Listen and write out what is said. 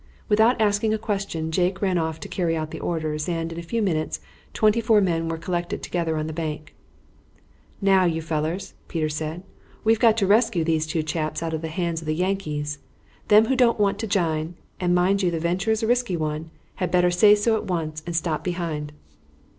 Without asking a question Jake ran off to carry out the orders, and, in a few minutes, twenty four men were collected together on the bank. "Now, you fellows," Peter said, "we've got to rescue these two chaps out of the hands of the Yankees. Them who don't want to jine and mind you the venture is a risky one had better say so at once and stop behind."